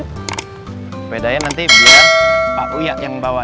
sepedanya nanti biar pak uyat yang bawa ya